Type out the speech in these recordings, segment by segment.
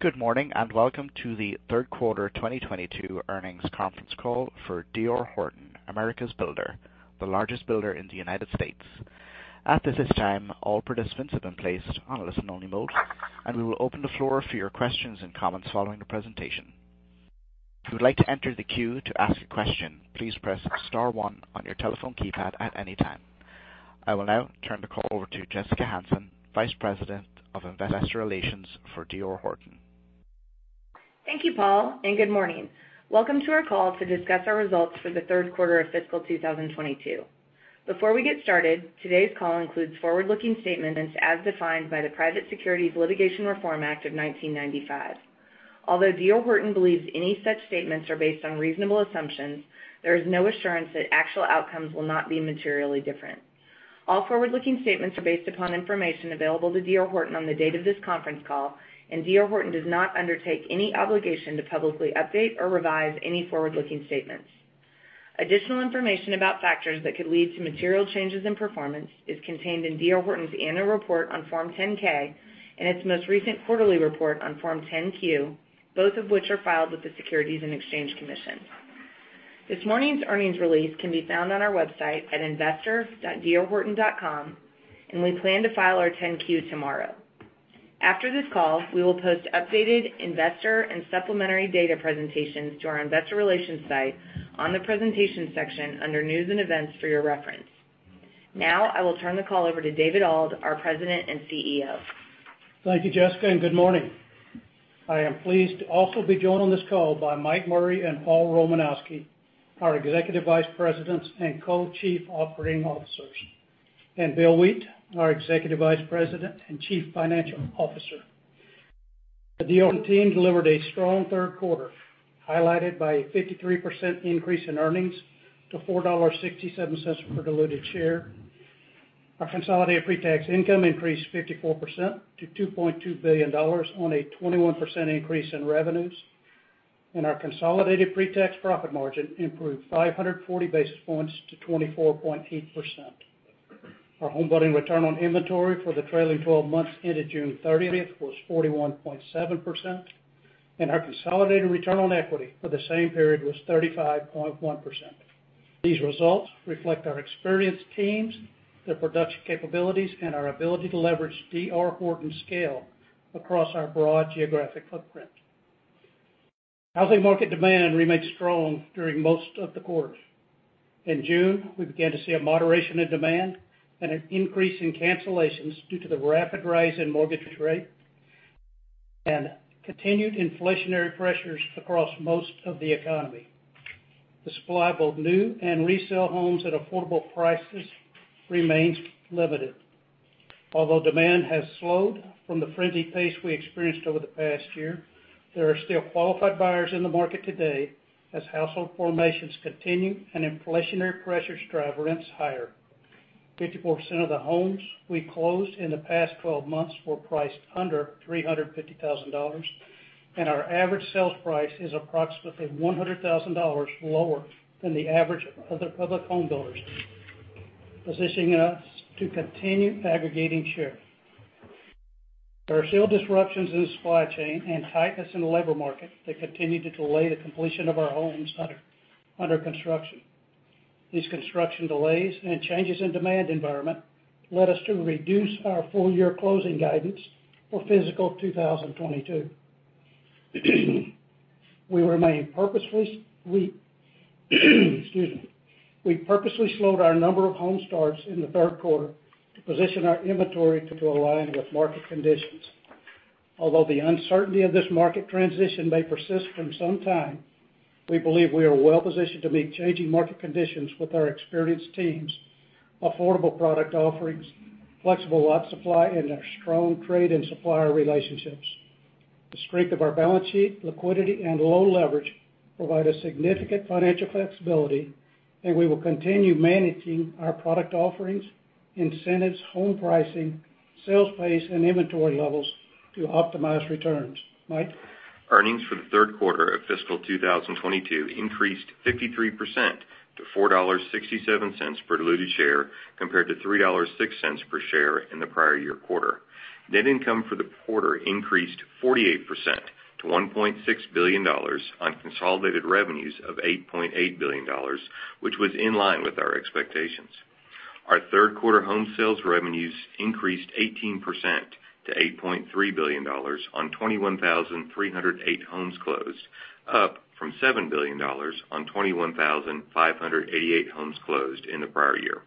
Good morning, and welcome to the third quarter 2022 earnings conference call for D.R. Horton, America's Builder, the largest builder in the United States. At this time, all participants have been placed on a listen-only mode, and we will open the floor for your questions and comments following the presentation. If you would like to enter the queue to ask a question, please press star one on your telephone keypad at any time. I will now turn the call over to Jessica Hansen, Vice President of Investor Relations for D.R. Horton. Thank you, Paul, and good morning. Welcome to our call to discuss our results for the third quarter of fiscal 2022. Before we get started, today's call includes forward-looking statements as defined by the Private Securities Litigation Reform Act of 1995. Although D.R. Horton believes any such statements are based on reasonable assumptions, there is no assurance that actual outcomes will not be materially different. All forward-looking statements are based upon information available to D.R. Horton on the date of this conference call, and D.R. Horton does not undertake any obligation to publicly update or revise any forward-looking statements. Additional information about factors that could lead to material changes in performance is contained in D.R. Horton's Annual Report on Form 10-K and its most recent quarterly report on Form 10-Q, both of which are filed with the Securities and Exchange Commission. This morning's earnings release can be found on our website at investor.drhorton.com, and we plan to file our 10-Q tomorrow. After this call, we will post updated investor and supplementary data presentations to our Investor Relations site on the presentation section under News and Events for your reference. Now, I will turn the call over to David Auld, our President and CEO. Thank you, Jessica, and good morning. I am pleased to also be joined on this call by Mike Murray and Paul Romanowski, our Executive Vice Presidents and Co-Chief Operating Officers, and Bill Wheat, our Executive Vice President and Chief Financial Officer. The D.R. Horton team delivered a strong third quarter, highlighted by a 53% increase in earnings to $4.67 per diluted share. Our consolidated pretax income increased 54% to $2.2 billion on a 21% increase in revenues. Our consolidated pretax profit margin improved 540 basis points to 24.8%. Our homebuilding return on inventory for the trailing 12 months ended June 30 was 41.7%, and our consolidated return on equity for the same period was 35.1%. These results reflect our experienced teams, their production capabilities, and our ability to leverage D.R. Horton's scale across our broad geographic footprint. Housing market demand remained strong during most of the quarter. In June, we began to see a moderation in demand and an increase in cancellations due to the rapid rise in mortgage rates and continued inflationary pressures across most of the economy. The supply of both new and resale homes at affordable prices remains limited. Although demand has slowed from the frenzied pace we experienced over the past year, there are still qualified buyers in the market today as household formations continue and inflationary pressures drive rents higher. 54% of the homes we closed in the past 12 months were priced under $350,000, and our average sales price is approximately $100,000 lower than the average of other public home builders, positioning us to continue aggregating share. There are still disruptions in the supply chain and tightness in the labor market that continue to delay the completion of our homes under construction. These construction delays and changes in demand environment led us to reduce our full-year closing guidance for fiscal 2022. We purposely slowed our number of home starts in the third quarter to position our inventory to align with market conditions. Although the uncertainty of this market transition may persist for some time, we believe we are well-positioned to meet changing market conditions with our experienced teams, affordable product offerings, flexible lot supply, and our strong trade and supplier relationships. The strength of our balance sheet, liquidity, and low leverage provide a significant financial flexibility, and we will continue managing our product offerings, incentives, home pricing, sales pace, and inventory levels to optimize returns. Mike? Earnings for the third quarter of fiscal 2022 increased 53% to $4.67 per diluted share compared to $3.60 per share in the prior year quarter. Net income for the quarter increased 48% to $1.6 billion on consolidated revenues of $8.8 billion, which was in line with our expectations. Our third quarter home sales revenues increased 18% to $8.3 billion on 21,308 homes closed, up from $7 billion on 21,588 homes closed in the prior year.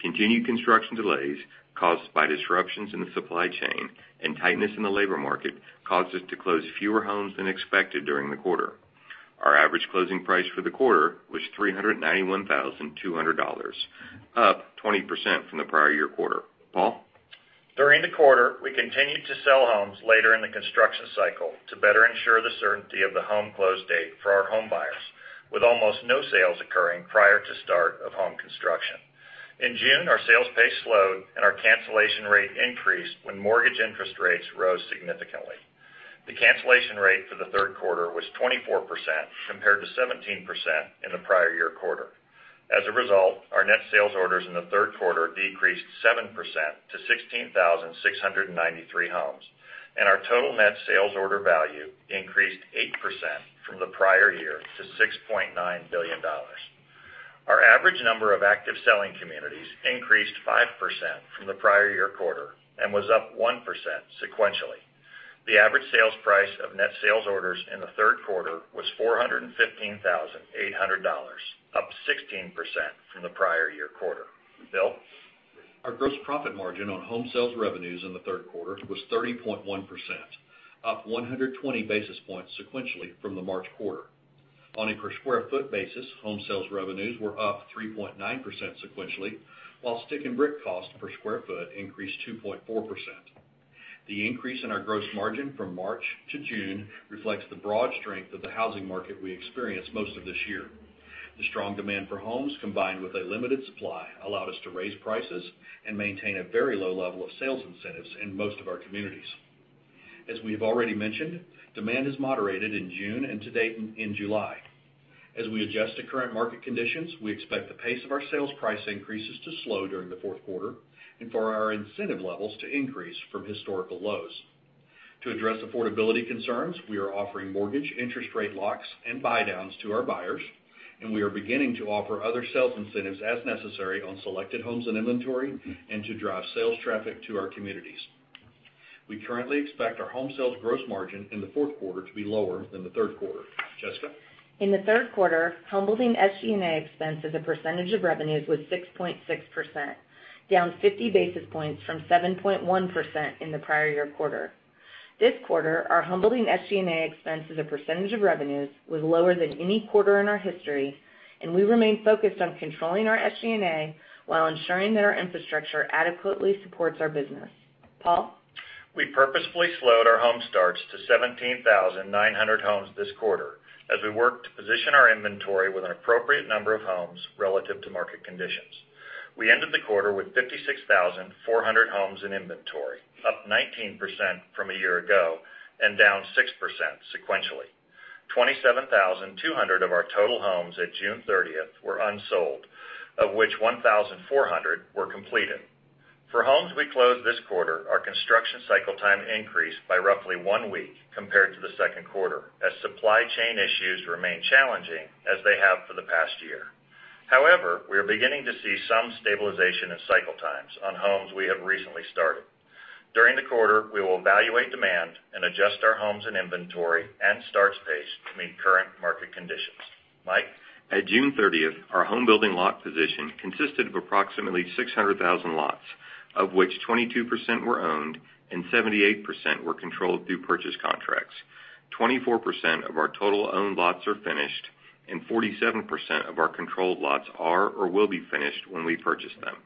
Continued construction delays caused by disruptions in the supply chain and tightness in the labor market caused us to close fewer homes than expected during the quarter. Our average closing price for the quarter was $391,200, up 20% from the prior year quarter. Paul? During the quarter, we continued to sell homes later in the construction cycle to better ensure the certainty of the home close date for our home buyers, with almost no sales occurring prior to start of home construction. In June, our sales pace slowed, and our cancellation rate increased when mortgage interest rates rose significantly. The cancellation rate for the third quarter was 24%, compared to 17% in the prior year quarter. As a result, our net sales orders in the third quarter decreased 7% to 16,693 homes, and our total net sales order value increased 8% from the prior year to $6.9 billion. Our average number of active selling communities increased 5% from the prior year quarter and was up 1% sequentially. The average sales price of net sales orders in the third quarter was $415,800, up 16% from the prior year quarter. Bill? Our gross profit margin on home sales revenues in the third quarter was 30.1%, up 120 basis points sequentially from the March quarter. On a per square foot basis, home sales revenues were up 3.9% sequentially, while stick and brick cost per square foot increased 2.4%. The increase in our gross margin from March to June reflects the broad strength of the housing market we experienced most of this year. The strong demand for homes, combined with a limited supply, allowed us to raise prices and maintain a very low level of sales incentives in most of our communities. As we have already mentioned, demand has moderated in June and to date in July. As we adjust to current market conditions, we expect the pace of our sales price increases to slow during the fourth quarter and for our incentive levels to increase from historical lows. To address affordability concerns, we are offering mortgage interest rate locks and buydowns to our buyers, and we are beginning to offer other sales incentives as necessary on selected homes and inventory and to drive sales traffic to our communities. We currently expect our home sales gross margin in the fourth quarter to be lower than the third quarter. Jessica? In the third quarter, homebuilding SG&A expense as a percentage of revenues was 6.6%, down 50 basis points from 7.1% in the prior year quarter. This quarter, our homebuilding SG&A expense as a percentage of revenues was lower than any quarter in our history, and we remain focused on controlling our SG&A while ensuring that our infrastructure adequately supports our business. Paul? We purposefully slowed our home starts to 17,900 homes this quarter as we work to position our inventory with an appropriate number of homes relative to market conditions. We ended the quarter with 56,400 homes in inventory, up 19% from a year ago and down 6% sequentially. 27,200 of our total homes at June 30th were unsold, of which 1,400 were completed. For homes we closed this quarter, our construction cycle time increased by roughly one week compared to the second quarter as supply chain issues remain challenging as they have for the past year. However, we are beginning to see some stabilization in cycle times on homes we have recently started. During the quarter, we will evaluate demand and adjust our homes and inventory and starts pace to meet current market conditions. Mike? At June 30th, our homebuilding lot position consisted of approximately 600,000 lots, of which 22% were owned and 78% were controlled through purchase contracts. 24% of our total owned lots are finished, and 47% of our controlled lots are or will be finished when we purchase them.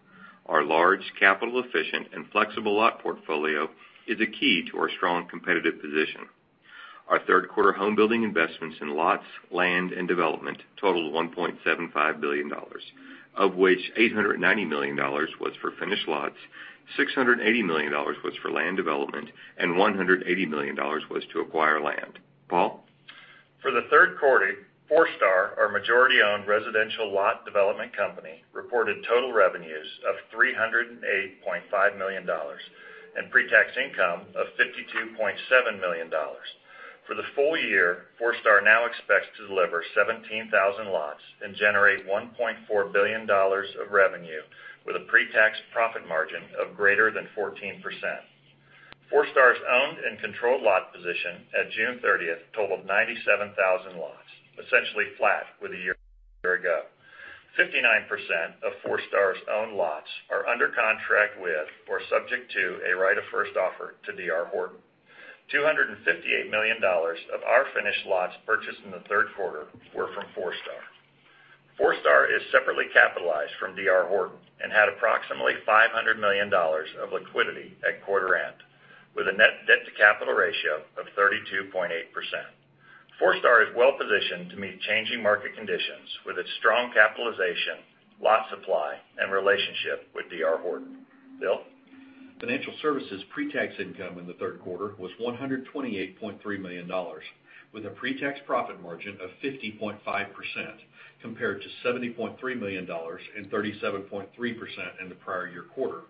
Our large capital efficient and flexible lot portfolio is a key to our strong competitive position. Our third quarter homebuilding investments in lots, land, and development totaled $1.75 billion, of which $890 million was for finished lots, $680 million was for land development, and $180 million was to acquire land. Paul? For the third quarter, Forestar, our majority-owned residential lot development company, reported total revenues of $308.5 million and pre-tax income of $52.7 million. For the full year, Forestar now expects to deliver 17,000 lots and generate $1.4 billion of revenue with a pre-tax profit margin of greater than 14%. Forestar's owned and controlled lot position at June 30 totaled 97,000 lots, essentially flat with a year ago. 59% of Forestar's owned lots are under contract with or subject to a right-of-first-offer to D.R. Horton. $258 million of our finished lots purchased in the third quarter were from Forestar. Forestar is separately capitalized from D.R. Horton and had approximately $500 million of liquidity at quarter end with a net-debt-to-capital ratio of 32.8%. Forestar is well positioned to meet changing market conditions with its strong capitalization, lot supply, and relationship with D.R. Horton. Bill? Financial services pre-tax income in the third quarter was $128.3 million, with a pre-tax profit margin of 50.5% compared to $70.3 million and 37.3% in the prior year quarter.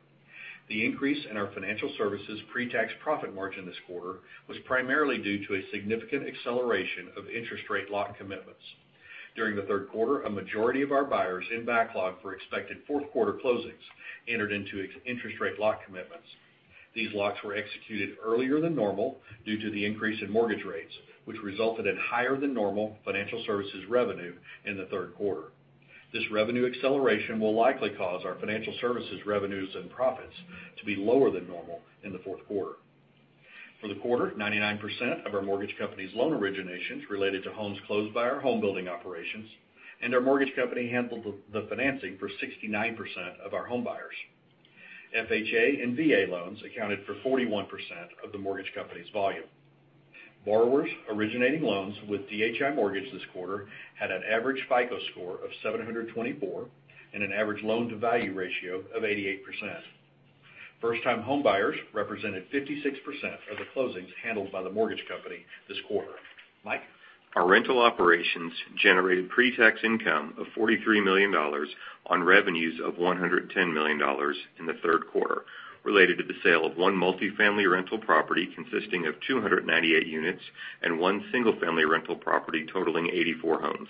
The increase in our financial services pre-tax profit margin this quarter was primarily due to a significant acceleration of interest rate lock commitments. During the third quarter, a majority of our buyers in backlog for expected fourth quarter closings entered into interest rate lock commitments. These locks were executed earlier than normal due to the increase in mortgage rates, which resulted in higher-than-normal financial services revenue in the third quarter. This revenue acceleration will likely cause our financial services revenues and profits to be lower than normal in the fourth quarter. For the quarter, 99% of our mortgage company's loan originations related to homes closed by our homebuilding operations, and our mortgage company handled the financing for 69% of our home buyers. FHA and VA loans accounted for 41% of the mortgage company's volume. Borrowers originating loans with DHI Mortgage this quarter had an average FICO score of 724 and an average loan-to-value ratio of 88%. First-time homebuyers represented 56% of the closings handled by the mortgage company this quarter. Mike? Our rental operations generated pre-tax income of $43 million on revenues of $110 million in the third quarter, related to the sale of one multi-family rental property consisting of 298 units and one single-family rental property totaling 84 homes.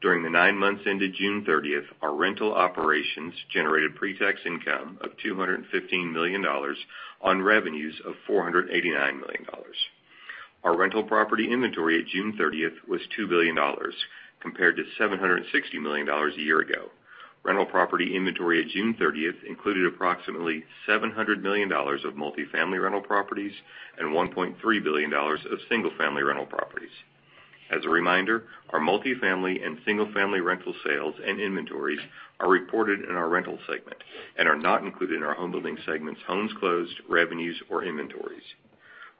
During the nine months ended June 30, our rental operations generated pre-tax income of $215 million on revenues of $489 million. Our rental property inventory at June 30 was $2 billion compared to $760 million a year ago. Rental property inventory at June 30 included approximately $700 million of multi-family rental properties and $1.3 billion of single-family rental properties. As a reminder, our multi-family and single-family rental sales and inventories are reported in our rental segment and are not included in our homebuilding segment's homes closed, revenues, or inventories.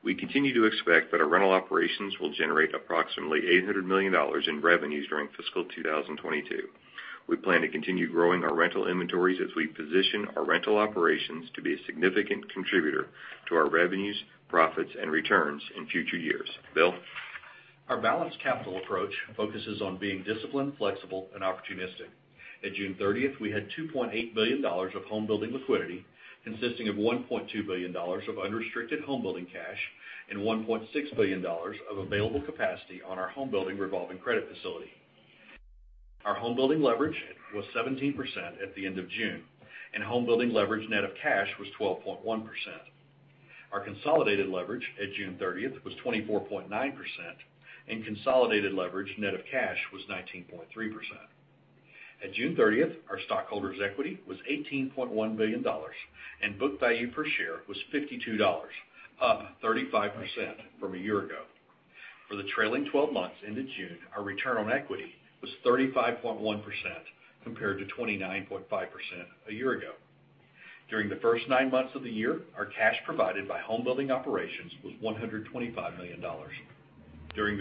We continue to expect that our rental operations will generate approximately $800 million in revenues during fiscal 2022. We plan to continue growing our rental inventories as we position our rental operations to be a significant contributor to our revenues, profits, and returns in future years. Bill? Our balanced capital approach focuses on being disciplined, flexible, and opportunistic. At June 30, we had $2.8 billion of home building liquidity, consisting of $1.2 billion of unrestricted home building cash and $1.6 billion of available capacity on our home building revolving credit facility. Our home building leverage was 17% at the end of June, and home building leverage net of cash was 12.1%. Our consolidated leverage at June 30 was 24.9%, and consolidated leverage net of cash was 19.3%. At June 30, our stockholders' equity was $18.1 billion, and book value per share was $52, up 35% from a year ago. For the trailing 12 months into June, our return on equity was 35.1% compared to 29.5% a year ago. During the first nine months of the year, our cash provided by home building operations was $125 million. During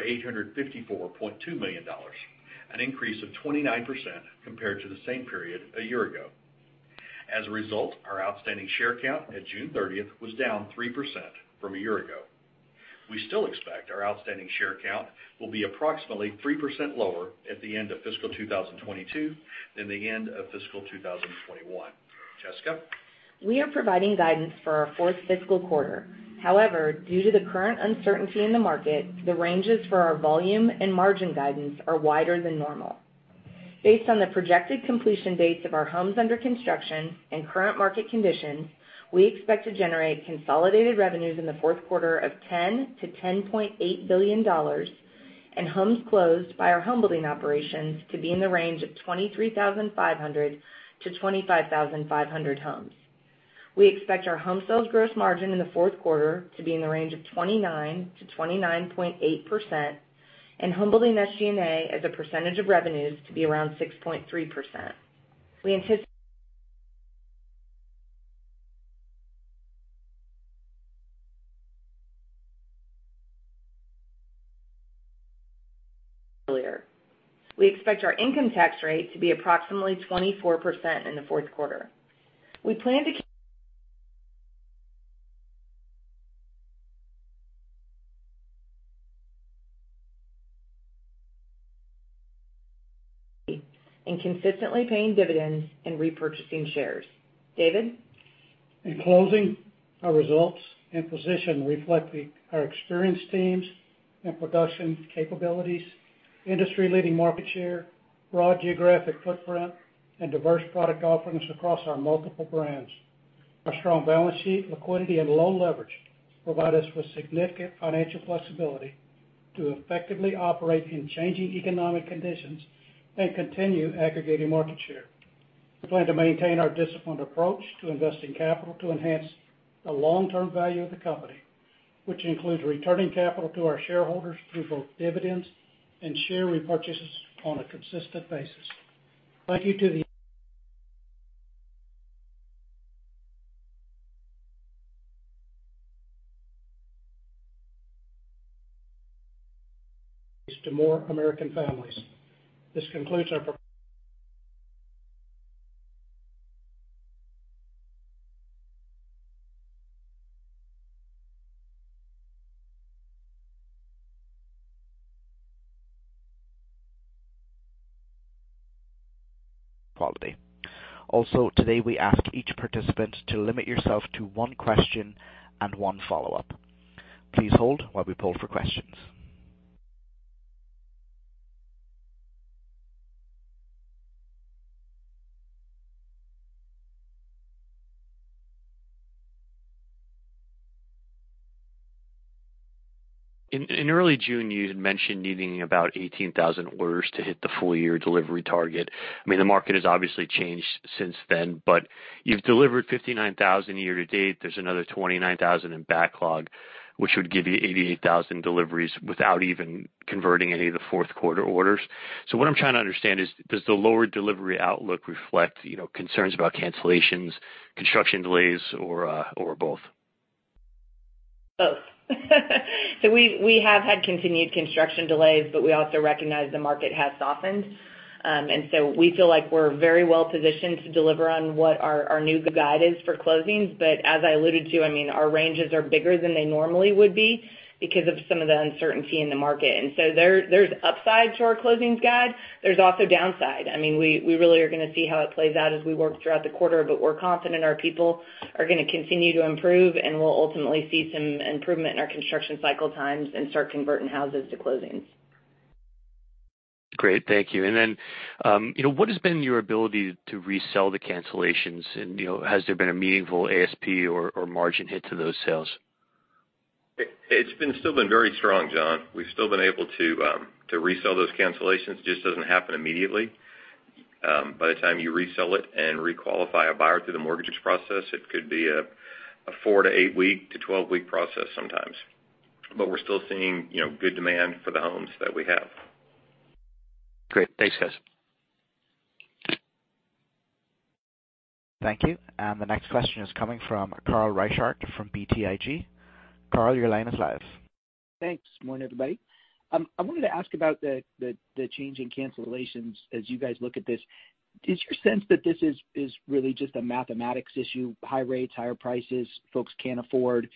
for $854.2 million, an increase of 29% compared to the same period a year ago. As a result, our outstanding share count at June 30 was down 3% from a year ago. We still expect our outstanding share count will be approximately 3% lower at the end of fiscal 2022 than the end of fiscal 2021. Jessica? We are providing guidance for our fourth fiscal quarter. However, due to the current uncertainty in the market, the ranges for our volume and margin guidance are wider than normal. Based on the projected completion dates of our homes under construction and current market conditions, we expect to generate consolidated revenues in the fourth quarter of $10 billion-$10.8 billion and homes closed by our home building operations to be in the range of 23,500-25,500 homes. We expect our home sales gross margin in the fourth quarter to be in the range of 29%-29.8% and home building SG&A as a percentage of revenues to be around 6.3%. We we expect our income tax rate to be approximately 24% in the fourth quarter. We plan to and consistently paying dividends and repurchasing shares. David? In closing, our results and position reflect our experienced teams and production capabilities, industry-leading market share, broad geographic footprint, and diverse product offerings across our multiple brands. Our strong balance sheet, liquidity, and low leverage provide us with significant financial flexibility to effectively operate in changing economic conditions and continue aggregating market share. We plan to maintain our disciplined approach to investing capital to enhance the long-term value of the company, which includes returning capital to our shareholders through both dividends and share repurchases on a consistent basis. Thank you to the to more American families. This concludes our Also, today, we ask each participant to limit yourself to one question and one follow-up. Please hold while we poll for questions. In early June, you had mentioned needing about 18,000 orders to hit the full year delivery target. I mean, the market has obviously changed since then, but you've delivered 59,000 year-to-date. There's another 29,000 in backlog, which would give you 88,000 deliveries without even converting any of the fourth quarter orders. What I'm trying to understand is, does the lower delivery outlook reflect, you know, concerns about cancellations, construction delays or both? Both. We have had continued construction delays, but we also recognize the market has softened. We feel like we're very well positioned to deliver on what our new guide is for closings. As I alluded to, I mean, our ranges are bigger than they normally would be because of some of the uncertainty in the market. There's upside to our closings guide. There's also downside. I mean, we really are gonna see how it plays out as we work throughout the quarter, but we're confident our people are gonna continue to improve, and we'll ultimately see some improvement in our construction cycle times and start converting houses to closings. Great. Thank you. You know, what has been your ability to resell the cancellations and, you know, has there been a meaningful ASP or margin hit to those sales? It's been very strong, John. We've still been able to resell those cancellations. Just doesn't happen immediately. By the time you resell it and re-qualify a buyer through the mortgage process, it could be a four- to eight-week to 12-week process sometimes. We're still seeing, you know, good demand for the homes that we have. Great. Thanks, guys. Thank you. The next question is coming from Carl Reichardt from BTIG. Carl, your line is live. Thanks. Morning, everybody. I wanted to ask about the change in cancellations as you guys look at this. Is your sense that this is really just a mathematics issue, high rates, higher prices, folks can't afford,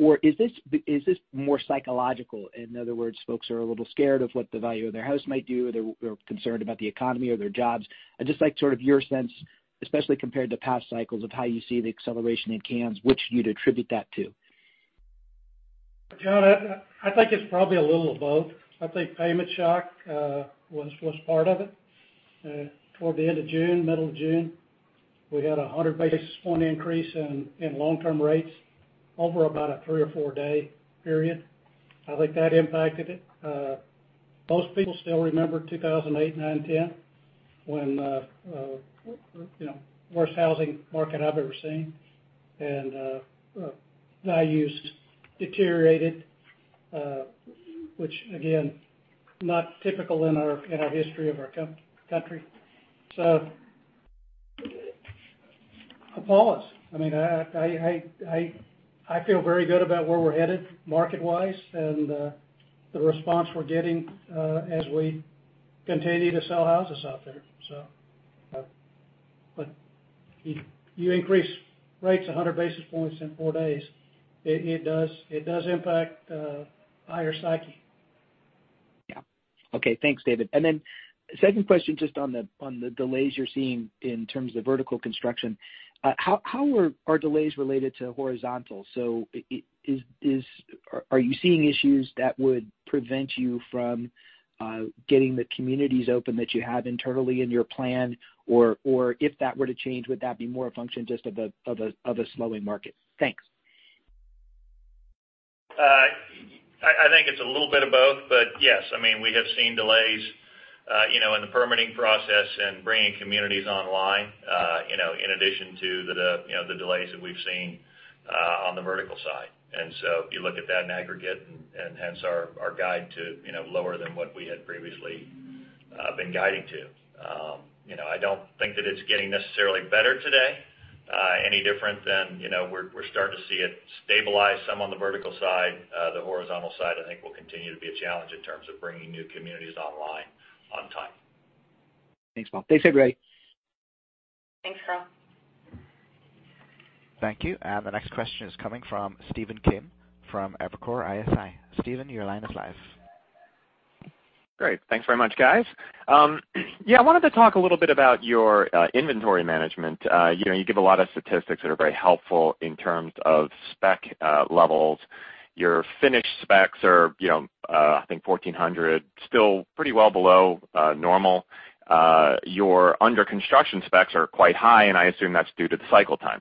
or is this more psychological? In other words, folks are a little scared of what the value of their house might do, they're concerned about the economy or their jobs. I'd just like sort of your sense, especially compared to past cycles, of how you see the acceleration in cans, which you'd attribute that to. John, I think it's probably a little of both. I think payment shock was part of it. Toward the end of June, middle of June, we had a 100 basis point increase in long-term rates over about a three- or four-day period. I think that impacted it. Most people still remember 2008, 2009, 2010 when you know worst housing market I've ever seen. Values deteriorated, which again, not typical in our history of our country. A pause. I mean, I feel very good about where we're headed market-wise and the response we're getting as we continue to sell houses out there. But you increase rates 100 basis points in four days. It does impact buyer psyche. Yeah. Okay. Thanks, David. Second question, just on the delays you're seeing in terms of vertical construction. How are delays related to horizontal? Are you seeing issues that would prevent you from getting the communities open that you have internally in your plan? Or if that were to change, would that be more a function just of a slowing market? Thanks. I think it's a little bit of both, but yes, I mean, we have seen delays, you know, in the permitting process and bringing communities online, you know, in addition to the you know, the delays that we've seen on the vertical side. If you look at that in aggregate and hence our guidance to, you know, lower than what we had previously been guiding to. You know, I don't think that it's getting necessarily better today, any different than, you know, we're starting to see it stabilize some on the vertical side. The horizontal side, I think will continue to be a challenge in terms of bringing new communities online on time. Thanks, Paul. Thanks, everybody. Thanks, Carl. Thank you. The next question is coming from Stephen Kim from Evercore ISI. Stephen, your line is live. Great. Thanks very much, guys. Yeah, I wanted to talk a little bit about your inventory management. You know, you give a lot of statistics that are very helpful in terms of spec levels. Your finished specs are, you know, I think 1,400, still pretty well below normal. Your under construction specs are quite high, and I assume that's due to the cycle time.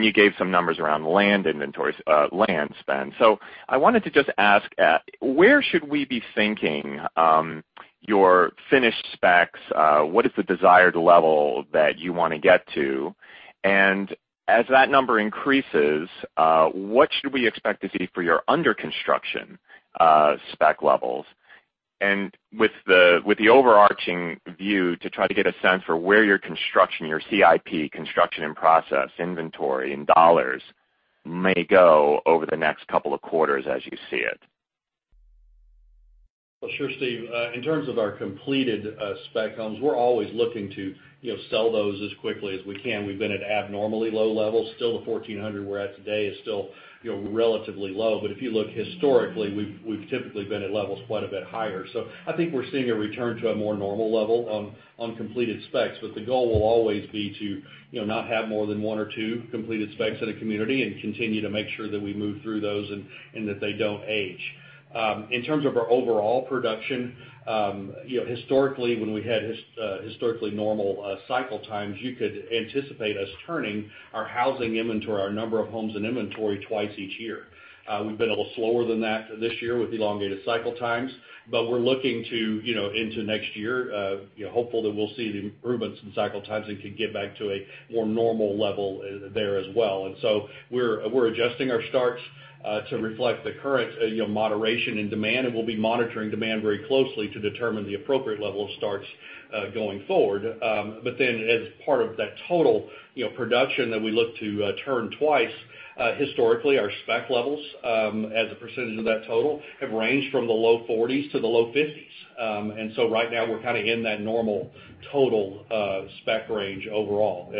You gave some numbers around land inventories, land spend. I wanted to just ask, where should we be thinking your finished specs? What is the desired level that you wanna get to? As that number increases, what should we expect to see for your under construction spec levels? With the overarching view, to try to get a sense for where your construction, your CIP, construction in process, inventory in dollars may go over the next couple of quarters as you see it? Well, sure, Steve. In terms of our completed spec homes, we're always looking to, you know, sell those as quickly as we can. We've been at abnormally low levels. Still, the 1,400 we're at today is still, you know, relatively low. If you look historically, we've typically been at levels quite a bit higher. I think we're seeing a return to a more normal level on completed specs, but the goal will always be to, you know, not have more than one or two completed specs in a community and continue to make sure that we move through those and that they don't age. In terms of our overall production, you know, historically, when we had historically normal cycle times, you could anticipate us turning our housing inventory, our number of homes and inventory twice each year. We've been a little slower than that this year with elongated cycle times, but we're looking to, you know, into next year, you know, hopeful that we'll see the improvements in cycle times and can get back to a more normal level there as well. We're adjusting our starts to reflect the current, you know, moderation in demand, and we'll be monitoring demand very closely to determine the appropriate level of starts going forward. As part of that total, you know, production that we look to turn twice, historically, our spec levels as a percentage of that total have ranged from the low 40s% to the low 50s%. Right now we're kind of in that normal total spec range overall.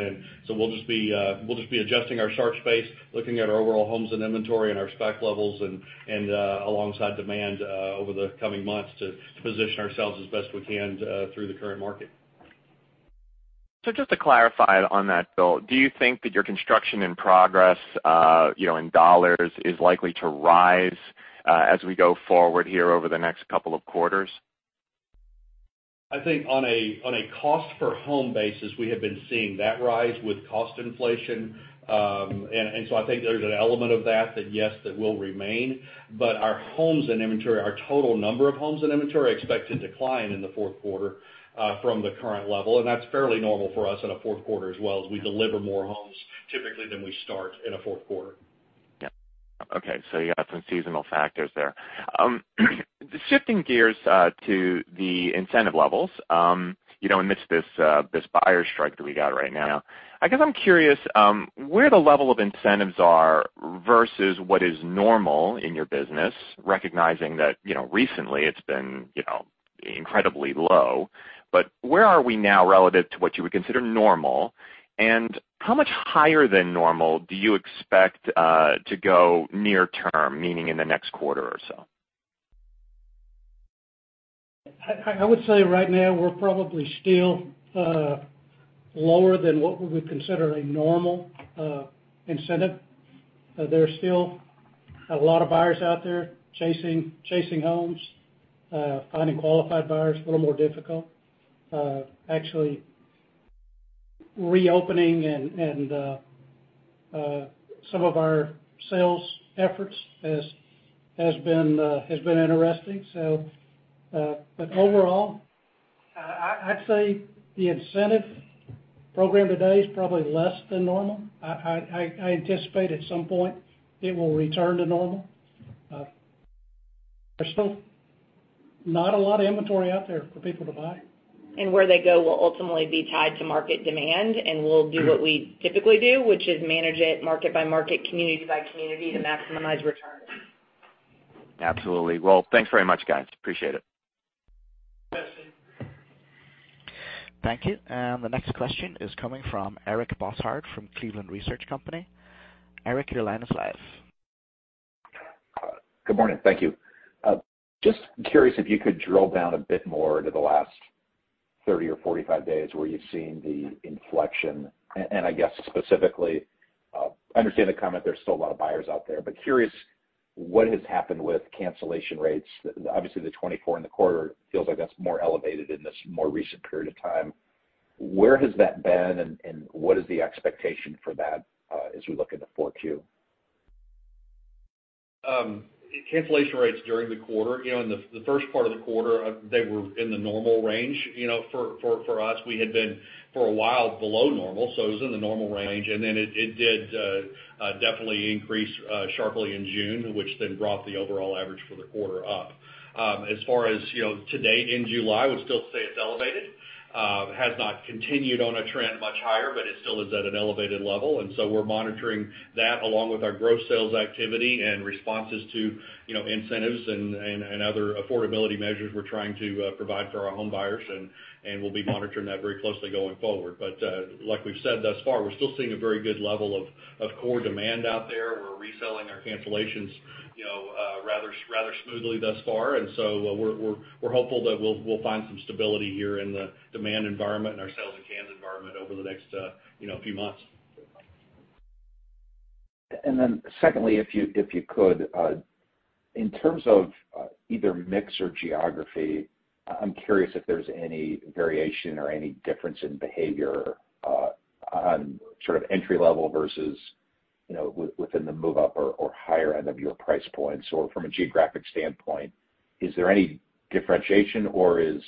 We'll just be adjusting our starts pace, looking at our overall homes and inventory and our spec levels and alongside demand over the coming months to position ourselves as best we can through the current market. Just to clarify on that, Bill, do you think that your construction in progress, in dollars is likely to rise, as we go forward here over the next couple of quarters? I think on a cost-per-home basis, we have been seeing that rise with cost inflation. I think there's an element of that yes, that will remain. Our homes and inventory, our total number of homes and inventory expect to decline in the fourth quarter, from the current level, and that's fairly normal for us in a fourth quarter as well as we deliver more homes typically than we start in a fourth quarter. Yeah. Okay. You have some seasonal factors there. Shifting gears to the incentive levels, you know, amidst this buyer strike that we got right now, I guess I'm curious where the level of incentives are versus what is normal in your business, recognizing that, you know, recently it's been, you know, incredibly low. Where are we now relative to what you would consider normal, and how much higher than normal do you expect to go near term, meaning in the next quarter or so? I would say right now we're probably still lower than what we would consider a normal incentive. There's still a lot of buyers out there chasing homes, finding qualified buyers a little more difficult. Actually, reopening some of our sales efforts has been interesting. Overall, I'd say the incentive program today is probably less than normal. I anticipate at some point it will return to normal. There's still not a lot of inventory out there for people to buy. Where they go will ultimately be tied to market demand, and we'll do what we typically do, which is manage it market-by-market, community-by-community to maximize return. Absolutely. Well, thanks very much, guys. Appreciate it. Thank you. The next question is coming from Eric Bosshard from Cleveland Research Company. Eric, your line is live. Good morning. Thank you. Just curious if you could drill down a bit more to the last 30 or 45 days where you've seen the inflection, and I guess specifically, I understand the comment there's still a lot of buyers out there, but curious what has happened with cancellation rates. Obviously, the 24 in the quarter feels like that's more elevated in this more recent period of time. Where has that been and what is the expectation for that, as we look into 4Q? Cancellation rates during the quarter, you know, in the first part of the quarter, they were in the normal range. You know, for us, we had been for a while below normal, so it was in the normal range. It did definitely increase sharply in June, which then brought the overall average for the quarter up. As far as you know, to date in July, we still say it's elevated. Has not continued on a trend much higher, but it still is at an elevated level, and so we're monitoring that along with our gross sales activity and responses to, you know, incentives and other affordability measures we're trying to provide for our home buyers, and we'll be monitoring that very closely going forward. like we've said thus far, we're still seeing a very good level of core demand out there. We're reselling our cancellations, you know, rather smoothly thus far. We're hopeful that we'll find some stability here in the demand environment and our sales and cans environment over the next, you know, few months. Secondly, if you could in terms of either mix or geography, I'm curious if there's any variation or any difference in behavior on sort of entry level versus, you know, within the move up or higher end of your price points. From a geographic standpoint, is there any differentiation or is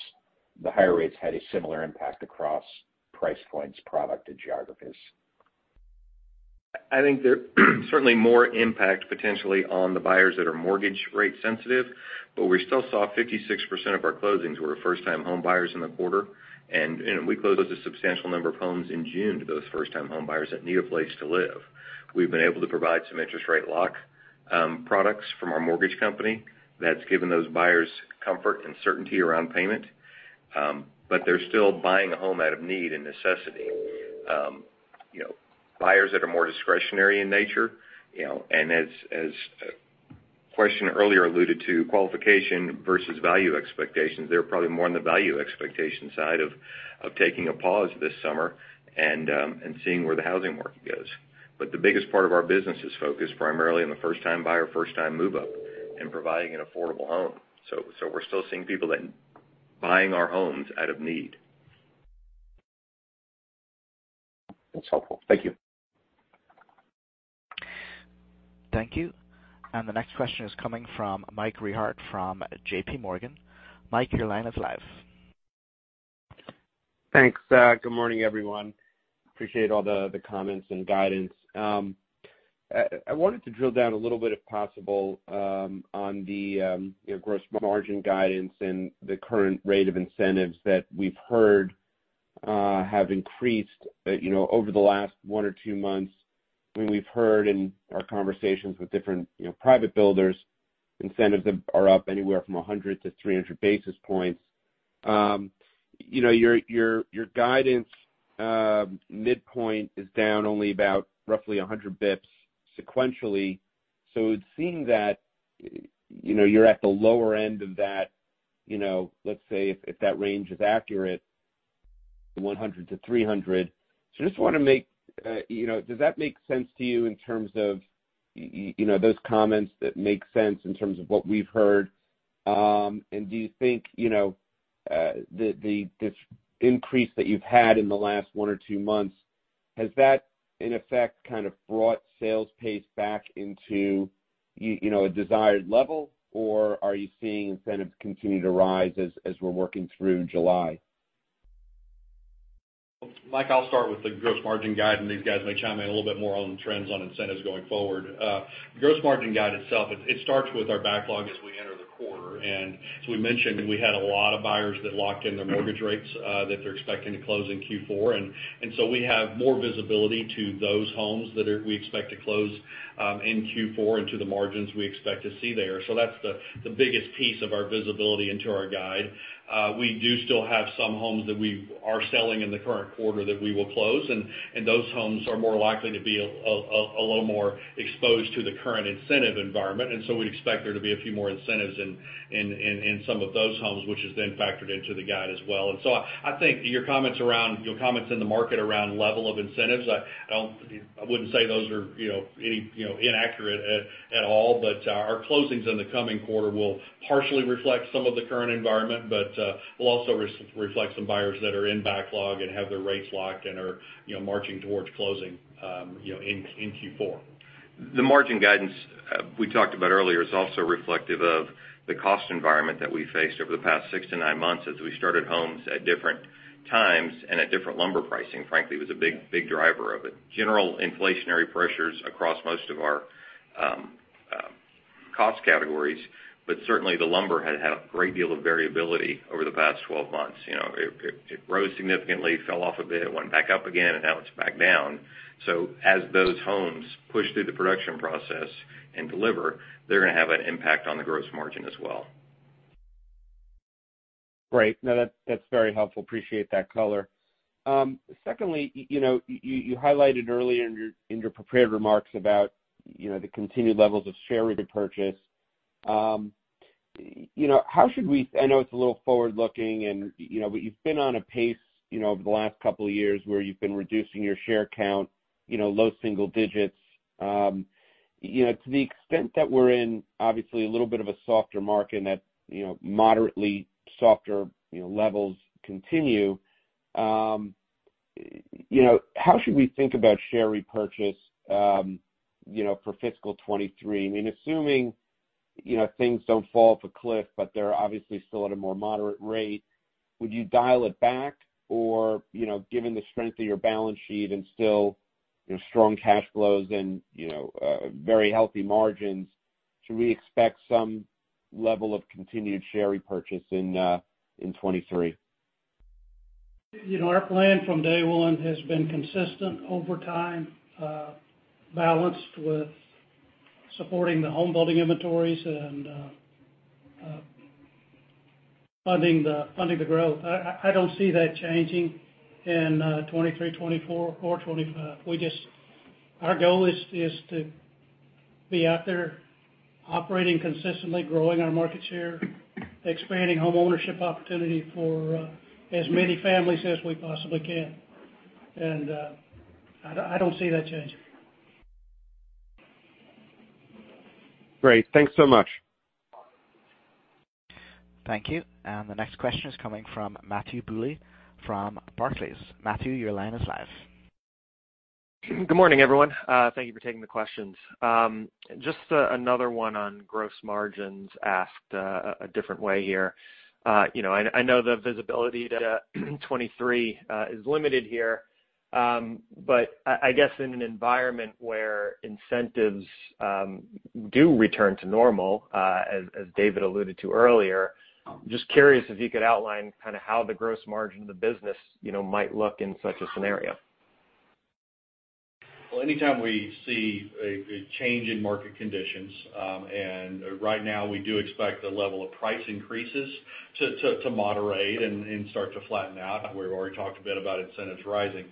the higher rates had a similar impact across price points, product, and geographies? I think there's certainly more impact potentially on the buyers that are mortgage rate sensitive, but we still saw 56% of our closings were first time home buyers in the quarter. You know, we closed a substantial number of homes in June to those first time home buyers that need a place to live. We've been able to provide some interest rate lock products from our mortgage company that's given those buyers comfort and certainty around payment. But they're still buying a home out of need and necessity. You know, buyers that are more discretionary in nature, you know, and as a question earlier alluded to qualification versus value expectations, they're probably more on the value expectation side of taking a pause this summer and seeing where the housing market goes. The biggest part of our business is focused primarily on the first-time buyer, first-time move-up, and providing an affordable home. We're still seeing people that buying our homes out of need. That's helpful. Thank you. Thank you. The next question is coming from Mike Rehaut from JPMorgan. Mike, your line is live. Thanks. Good morning, everyone. Appreciate all the comments and guidance. I wanted to drill down a little bit, if possible, on the you know, gross margin guidance and the current rate of incentives that we've heard have increased, you know, over the last one or two months. I mean, we've heard in our conversations with different, you know, private builders, incentives are up anywhere from 100-300 basis points. You know, your guidance midpoint is down only about roughly 100 basis points sequentially. It seems that, you know, you're at the lower end of that, you know, let's say if that range is accurate, 100-300 basis points. Just wanna make you know... Does that make sense to you in terms of, you know, those comments that make sense in terms of what we've heard? Do you think, you know, this increase that you've had in the last one or two months, has that, in effect, kind of brought sales pace back into you know, a desired level, or are you seeing incentives continue to rise as we're working through July? Mike, I'll start with the gross margin guide, and these guys may chime in a little bit more on the trends on incentives going forward. Gross margin guide itself, it starts with our backlog as we enter the quarter. As we mentioned, we had a lot of buyers that locked in their mortgage rates that they're expecting to close in Q4. So we have more visibility to those homes that we expect to close in Q4 and to the margins we expect to see there. That's the biggest piece of our visibility into our guide. We do still have some homes that we are selling in the current quarter that we will close, and those homes are more likely to be a little more exposed to the current incentive environment. We'd expect there to be a few more incentives in some of those homes, which is then factored into the guide as well. I think your comments in the market around level of incentives, I don't, I wouldn't say those are, you know, any, you know, inaccurate at all. Our closings in the coming quarter will partially reflect some of the current environment, but will also reflect some buyers that are in backlog and have their rates locked and are, you know, marching towards closing, you know, in Q4. The margin guidance we talked about earlier is also reflective of the cost environment that we faced over the past six-nine months as we started homes at different times and at different lumber pricing, frankly, was a big, big driver of it. General inflationary pressures across most of our cost categories, but certainly the lumber had a great deal of variability over the past 12 months. You know, it rose significantly, fell off a bit, it went back up again, and now it's back down. As those homes push through the production process and deliver, they're gonna have an impact on the gross margin as well. Great. No, that's very helpful. Appreciate that color. Secondly, you know, you highlighted earlier in your prepared remarks about, you know, the continued levels of share repurchases. You know, I know it's a little forward-looking and, you know, but you've been on a pace, you know, over the last couple of years where you've been reducing your share count, you know, low single digits. You know, to the extent that we're in, obviously, a little bit of a softer market and that, you know, moderately softer, you know, levels continue, you know, how should we think about share repurchases, you know, for fiscal 2023? I mean, assuming, you know, things don't fall off a cliff, but they're obviously still at a more moderate rate, would you dial it back? You know, given the strength of your balance sheet and still, you know, strong cash flows and, you know, very healthy margins, should we expect some level of continued share repurchase in 2023? You know, our plan from day one has been consistent over time, balanced with supporting the homebuilding inventories and funding the growth. I don't see that changing in 2023, 2024 or 2025. We just, our goal is to be out there operating consistently, growing our market share, expanding homeownership opportunity for as many families as we possibly can. I don't see that changing. Great. Thanks so much. Thank you. The next question is coming from Matthew Bouley from Barclays. Matthew, your line is live. Good morning, everyone. Thank you for taking the questions. Just another one on gross margins, asked a different way here. You know, I know the visibility to 2023 is limited here. I guess in an environment where incentives do return to normal, as David alluded to earlier, just curious if you could outline kind of how the gross margin of the business, you know, might look in such a scenario. Well, anytime we see a change in market conditions, and right now we do expect the level of price increases to moderate and start to flatten out, we've already talked a bit about incentives rising.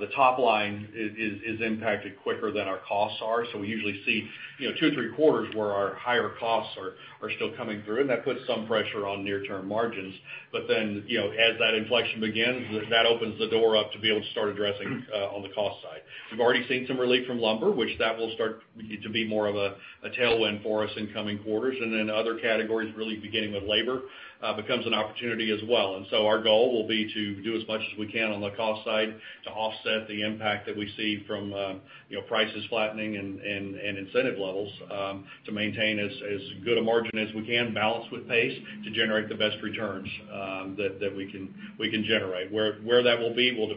The top line is impacted quicker than our costs are. We usually see, you know, two or three quarters where our higher costs are still coming through, and that puts some pressure on near-term margins. You know, as that inflection begins, that opens the door up to be able to start addressing on the cost side. We've already seen some relief from lumber, which will start to be more of a tailwind for us in coming quarters. Other categories really beginning with labor becomes an opportunity as well. Our goal will be to do as much as we can on the cost side to offset the impact that we see from, you know, prices flattening and incentive levels, to maintain as good a margin as we can, balanced with pace to generate the best returns that we can generate. Where that will be will be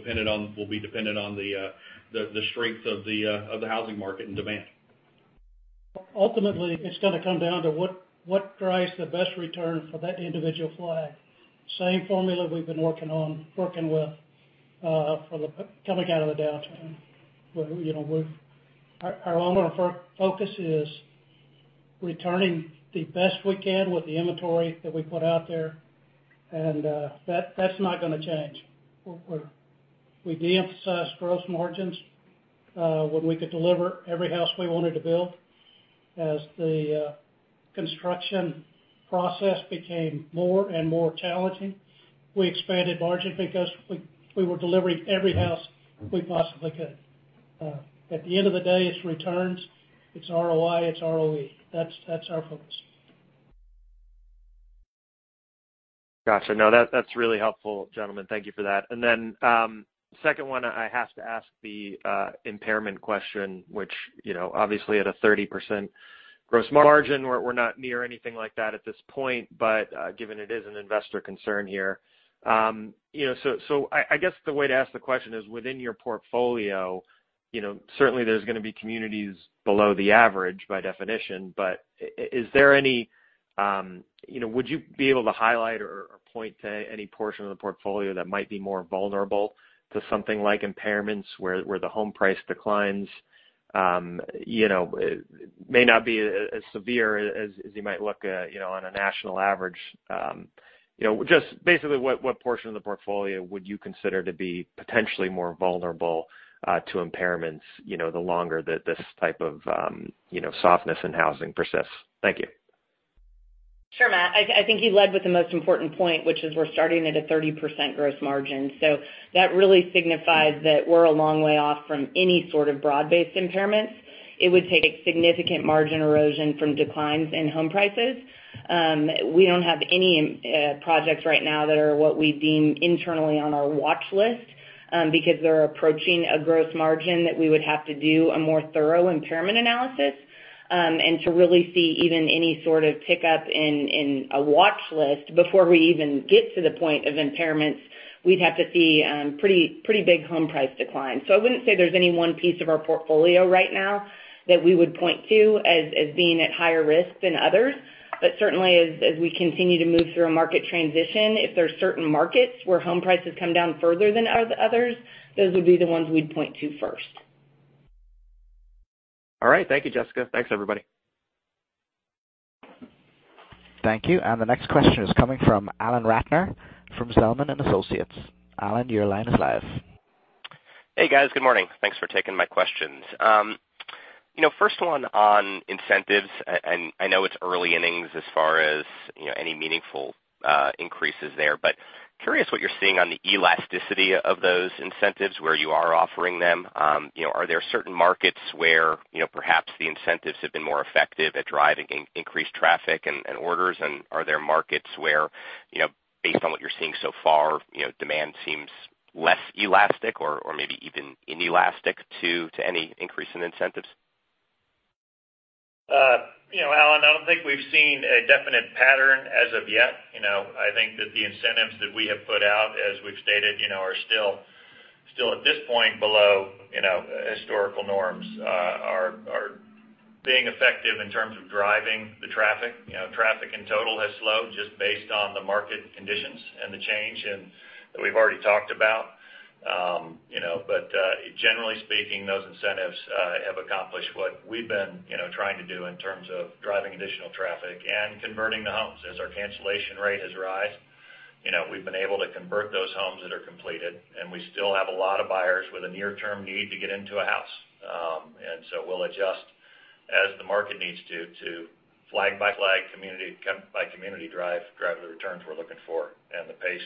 dependent on the strength of the housing market and demand. Ultimately, it's gonna come down to what drives the best return for that individual flag. Same formula we've been working on, working with coming out of the downturn, where we've— Our number one focus is returning the best we can with the inventory that we put out there, and that's not gonna change. We de-emphasize gross margins when we could deliver every house we wanted to build. As the construction process became more and more challenging, we expanded margin because we were delivering every house we possibly could. At the end of the day, it's returns, it's ROI, it's ROE. That's our focus. Gotcha. No, that's really helpful, gentlemen. Thank you for that. Second one, I have to ask the impairment question, which, you know, obviously at a 30% gross margin, we're not near anything like that at this point, but given it is an investor concern here. You know, I guess the way to ask the question is, within your portfolio, you know, certainly there's gonna be communities below the average by definition, but is there any, you know, would you be able to highlight or point to any portion of the portfolio that might be more vulnerable to something like impairments where the home price declines, you know, may not be as severe as you might look on a national average? You know, just basically what portion of the portfolio would you consider to be potentially more vulnerable to impairments, you know, the longer that this type of softness in housing persists? Thank you. Sure, Matt. I think you led with the most important point, which is we're starting at a 30% gross margin. That really signifies that we're a long way off from any sort of broad-based impairments. It would take significant margin erosion from declines in home prices. We don't have any projects right now that are what we deem internally on our watch list because they're approaching a gross margin that we would have to do a more thorough impairment analysis. To really see even any sort of pickup in a watch list before we even get to the point of impairments, we'd have to see pretty big home price declines. I wouldn't say there's any one piece of our portfolio right now that we would point to as being at higher risk than others. Certainly as we continue to move through a market transition, if there's certain markets where home prices come down further than others, those would be the ones we'd point to first. All right. Thank you, Jessica. Thanks, everybody. Thank you. The next question is coming from Alan Ratner from Zelman & Associates. Alan, your line is live. Hey, guys. Good morning. Thanks for taking my questions. You know, first one on incentives, and I know it's early innings as far as, you know, any meaningful increases there. Curious what you're seeing on the elasticity of those incentives where you are offering them. You know, are there certain markets where, you know, perhaps the incentives have been more effective at driving increased traffic and orders? Are there markets where, you know, based on what you're seeing so far, you know, demand seems less elastic or maybe even inelastic to any increase in incentives? You know, Alan, I don't think we've seen a definite pattern as of yet. You know, I think that the incentives that we have put out, as we've stated, you know, are still at this point below, you know, historical norms, are being effective in terms of driving the traffic. You know, traffic in total has slowed just based on the market conditions and the change and that we've already talked about. You know, but, generally speaking, those incentives have accomplished what we've been, you know, trying to do in terms of driving additional traffic and converting the homes. As our cancellation rate has risen, you know, we've been able to convert those homes that are completed, and we still have a lot of buyers with a near-term need to get into a house. We'll adjust as the market needs to flag-by-flag, community-by-community, drive the returns we're looking for, and the pace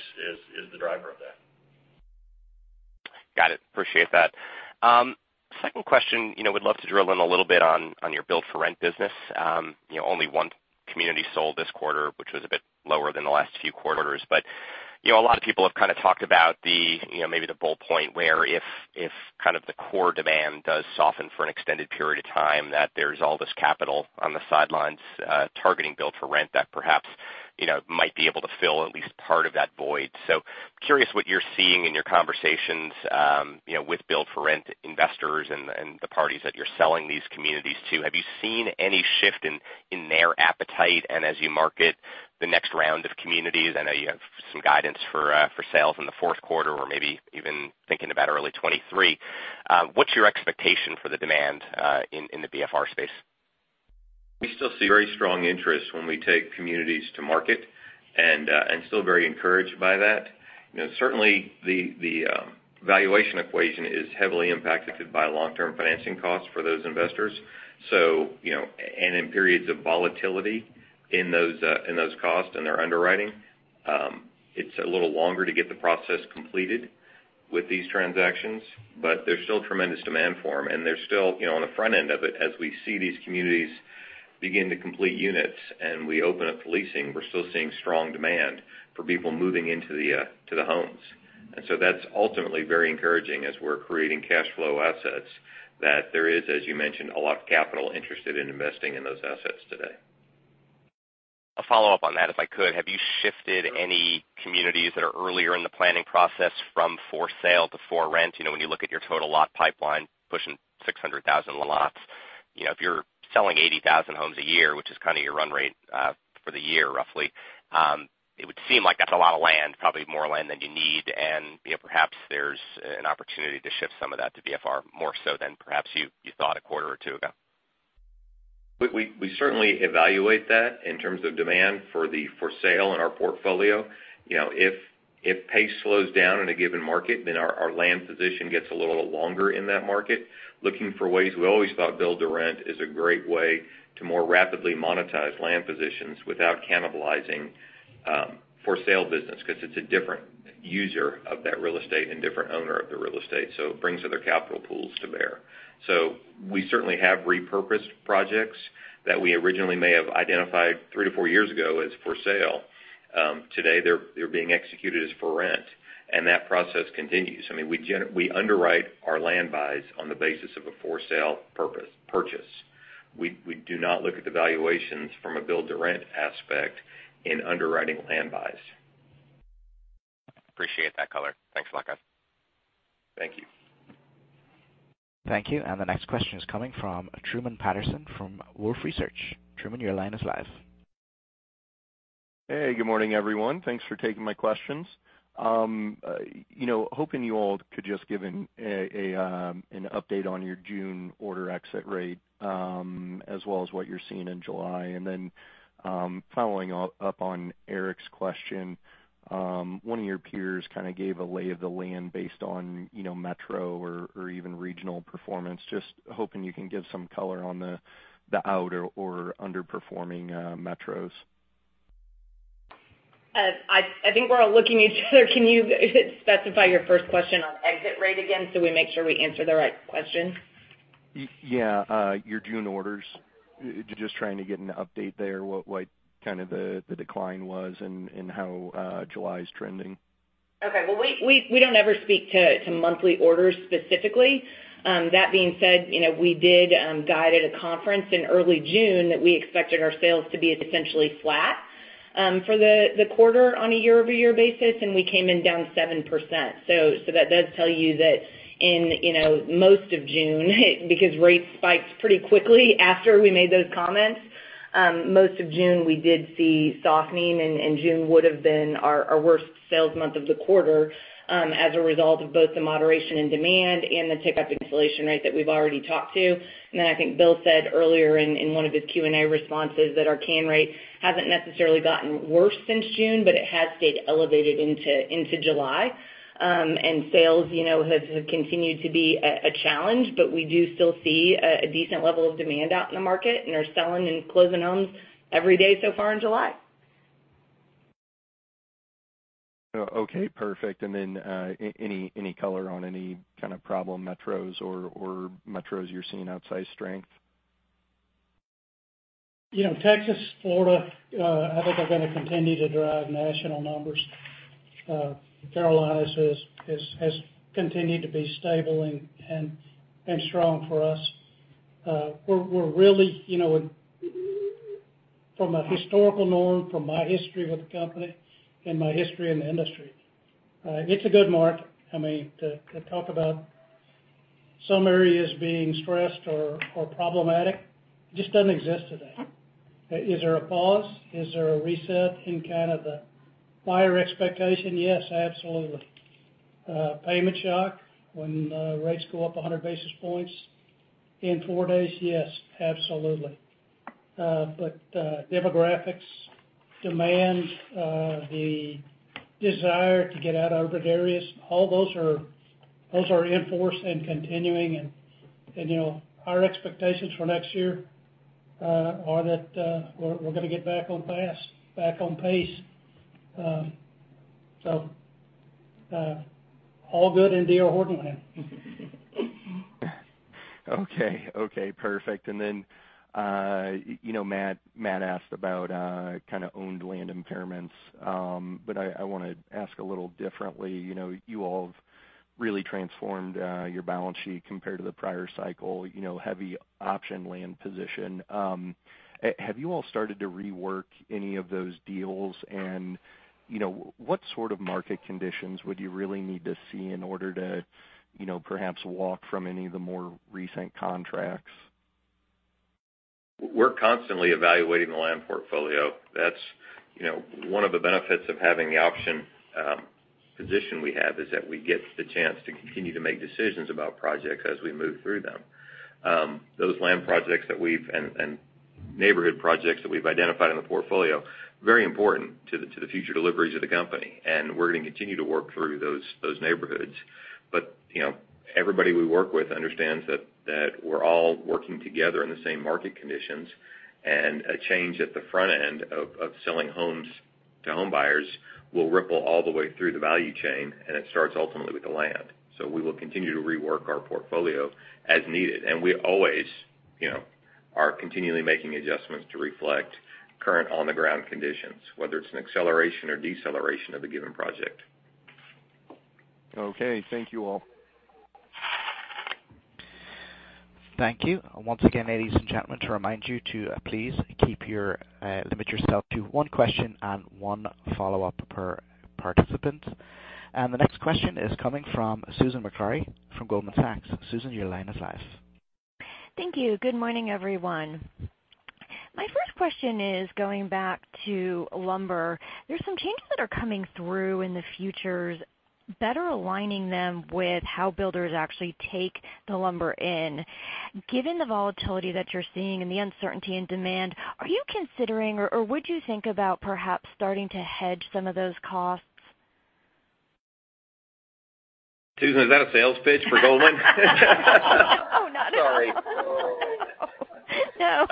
is the driver of that. Got it. Appreciate that. Second question. You know, would love to drill in a little bit on your build-for-rent business. You know, only one community sold this quarter, which was a bit lower than the last few quarters. You know, a lot of people have kind of talked about the, you know, maybe the bull point where if kind of the core demand does soften for an extended period of time, that there's all this capital on the sidelines, targeting build for rent that perhaps, you know, might be able to fill at least part of that void. Curious what you're seeing in your conversations, you know, with build-for-rent investors and the parties that you're selling these communities to. Have you seen any shift in their appetite? As you market the next round of communities, I know you have some guidance for sales in the fourth quarter or maybe even thinking about early 2023, what's your expectation for the demand in the BFR space? We still see very strong interest when we take communities to market and still very encouraged by that. You know, certainly the valuation equation is heavily impacted by long-term financing costs for those investors. You know, in periods of volatility in those costs and their underwriting, it's a little longer to get the process completed with these transactions, but there's still tremendous demand for them. There's still, you know, on the front end of it, as we see these communities begin to complete units, and we open up the leasing, we're still seeing strong demand for people moving into the homes. That's ultimately very encouraging as we're creating cash flow assets that there is, as you mentioned, a lot of capital interested in investing in those assets today. A follow-up on that, if I could. Have you shifted any communities that are earlier in the planning process from for-sale to for-rent? You know, when you look at your total lot pipeline pushing 600,000 lots. You know, if you're selling 80,000 homes a year, which is kind of your run rate for the year, roughly, it would seem like that's a lot of land, probably more land than you need. You know, perhaps there's an opportunity to shift some of that to BFR more so than perhaps you thought a quarter or two ago. We certainly evaluate that in terms of demand for the for sale in our portfolio. You know, if pace slows down in a given market, then our land position gets a little longer in that market. Looking for ways, we always thought build-to-rent is a great way to more rapidly monetize land positions without cannibalizing for sale business because it's a different user of that real estate and different owner of the real estate, so it brings other capital pools to bear. We certainly have repurposed projects that we originally may have identified three-four years ago as for sale. Today, they're being executed as for-rent, and that process continues. I mean, we underwrite our land buys on the basis of a for-sale purchase. We do not look at the valuations from a build-to-rent aspect in underwriting land buys. Appreciate that color. Thanks a lot, guys. Thank you. Thank you. The next question is coming from Truman Patterson from Wolfe Research. Truman, your line is live. Hey, good morning, everyone. Thanks for taking my questions. You know, hoping you all could just give an update on your June order exit rate, as well as what you're seeing in July. Then, following up on Eric's question, one of your peers kind of gave a lay of the land based on, you know, metro or even regional performance. Just hoping you can give some color on the out or underperforming metros. I think we're all looking at each other. Can you specify your first question on exit rate again, so we make sure we answer the right question? Yeah. Your June orders. Just trying to get an update there, what kind of decline was and how July is trending? Okay. Well, we don't ever speak to monthly orders specifically. That being said, you know, we did guide at a conference in early June that we expected our sales to be essentially flat for the quarter on a year-over-year basis, and we came in down 7%. That does tell you that in, you know, most of June, because rates spiked pretty quickly after we made those comments, most of June, we did see softening, and June would have been our worst sales month of the quarter, as a result of both the moderation in demand and the uptick in cancellation rate that we've already talked to. I think Bill said earlier in one of his Q&A responses that our cancel rate hasn't necessarily gotten worse since June, but it has stayed elevated into July. Sales, you know, have continued to be a challenge, but we do still see a decent level of demand out in the market and are selling and closing homes every day so far in July. Okay, perfect. Any color on any kind of problem metros or metros you're seeing outside strength? You know, Texas, Florida, I think are gonna continue to drive national numbers. Carolina has continued to be stable and strong for us. We're really, you know, from a historical norm, from my history with the company and my history in the industry, it's a good market. I mean, to talk about some areas being stressed or problematic just doesn't exist today. Is there a pause? Is there a reset in kind of the buyer expectation? Yes, absolutely. Payment shock when rates go up 100 basis points in four days? Yes, absolutely. Demographics, demand, the desire to get out of urban areas, all those are in force and continuing, you know, our expectations for next year are that we're gonna get back on pace. All good in D.R. Horton land. Okay, perfect. You know, Matt asked about kind of owned-land impairments. But I wanna ask a little differently. You know, you all have really transformed your balance sheet compared to the prior cycle, you know, heavy option land position. Have you all started to rework any of those deals? You know, what sort of market conditions would you really need to see in order to, you know, perhaps walk from any of the more recent contracts? We're constantly evaluating the land portfolio. That's, you know, one of the benefits of having the option position we have is that we get the chance to continue to make decisions about projects as we move through them. Those land projects that we've and neighborhood projects that we've identified in the portfolio, very important to the future deliveries of the company, and we're gonna continue to work through those neighborhoods. You know, everybody we work with understands that we're all working together in the same market conditions, and a change at the front end of selling homes to home buyers will ripple all the way through the value chain, and it starts ultimately with the land. We will continue to rework our portfolio as needed. We always, you know, are continually making adjustments to reflect current on-the-ground conditions, whether it's an acceleration or deceleration of a given project. Okay. Thank you, all. Thank you. Once again, ladies and gentlemen, to remind you to please limit yourself to one question and one follow-up per participant. The next question is coming from Susan Maklari from Goldman Sachs. Susan, your line is live. Thank you. Good morning, everyone. My first question is going back to lumber. There's some changes that are coming through in the futures, better aligning them with how builders actually take the lumber in. Given the volatility that you're seeing and the uncertainty in demand, are you considering or would you think about perhaps starting to hedge some of those costs? Susan, is that a sales pitch for Goldman? Oh, not at all. Sorry. No.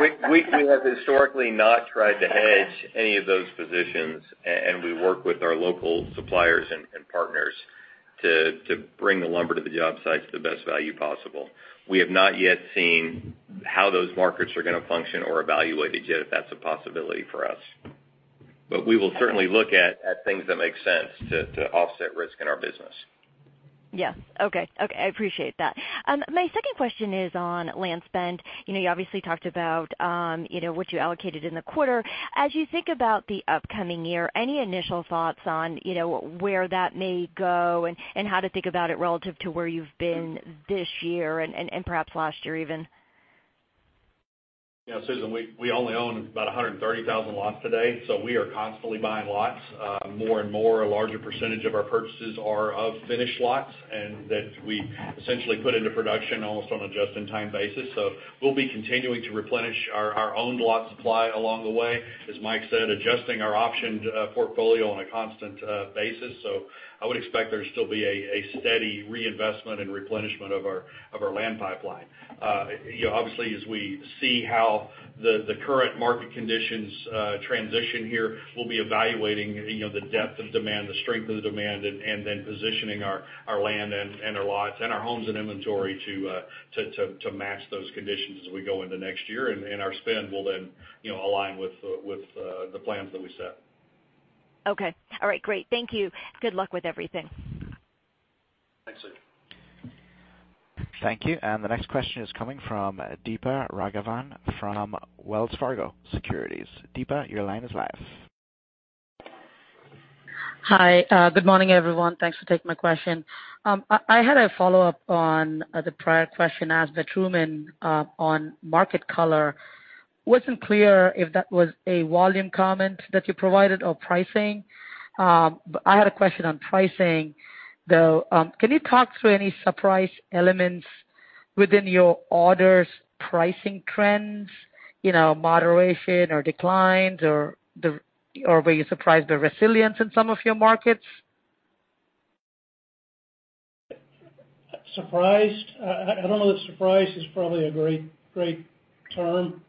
We have historically not tried to hedge any of those positions, and we work with our local suppliers and partners to bring the lumber to the job sites at the best value possible. We have not yet seen how those markets are gonna function or evaluate it yet if that's a possibility for us. We will certainly look at things that make sense to offset risk in our business. Yes. Okay. Okay, I appreciate that. My second question is on land spend. You know, you obviously talked about, you know, what you allocated in the quarter. As you think about the upcoming year, any initial thoughts on, you know, where that may go and how to think about it relative to where you've been this year and perhaps last year even? Yeah, Susan, we only own about 130,000 lots today, so we are constantly buying lots. More and more, a larger percentage of our purchases are of finished lots, and that we essentially put into production almost on a just-in-time basis. We'll be continuing to replenish our own lot supply along the way, as Mike said, adjusting our optioned portfolio on a constant basis. I would expect there to still be a steady reinvestment and replenishment of our land pipeline. You know, obviously, as we see how the current market conditions transition here, we'll be evaluating, you know, the depth of demand, the strength of the demand, and then positioning our land and our lots and our homes and inventory to match those conditions as we go into next year. Our spend will then, you know, align with the plans that we set. Okay. All right. Great. Thank you. Good luck with everything. Thanks, Susan. Thank you. The next question is coming from Deepa Raghavan from Wells Fargo Securities. Deepa, your line is live. Hi. Good morning, everyone. Thanks for taking my question. I had a follow-up on the prior question asked by Truman on market color. Wasn't clear if that was a volume comment that you provided or pricing. I had a question on pricing, though. Can you talk through any surprise elements within your orders pricing trends, you know, moderation or declines, or were you surprised by resilience in some of your markets? Surprised? I don't know if surprised is probably a great term.